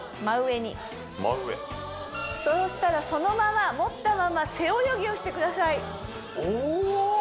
真上に真上そうしたらそのまま持ったまま背泳ぎをしてくださいおお！